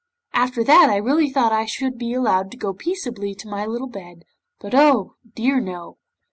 After that I really thought I should be allowed to go peaceably to my little bed, but, oh dear no!